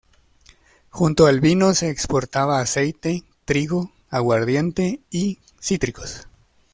Junto al vino se exportaba aceite, trigo, aguardiente y cítricos.